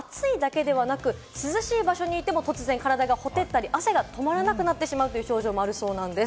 涼しい場所にいても突然、体が火照ったり汗が止まらなくなってしまう症状もあるそうなんです。